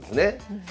うん。